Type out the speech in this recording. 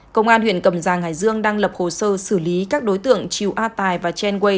công an huyện cẩm giang hải dương đang lập hồ sơ xử lý các đối tượng triều a tài và chen wei